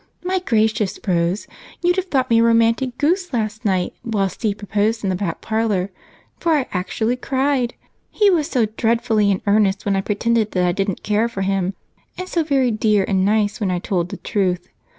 My gracious, Rose, you'd have thought me a romantic goose last night while Steve proposed in the back parlor, for I actually cried, he was so dreadfully in earnest when I pretended that I didn't care for him, and so very dear and nice when I told the truth.